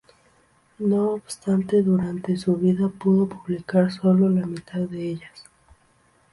No obstante, durante su vida pudo publicar solo la mitad de ellas.